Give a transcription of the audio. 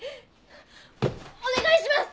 お願いします！